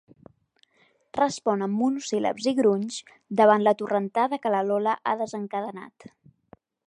Respon amb monosíl·labs i grunys davant la torrentada que la Lola ha desencadenat.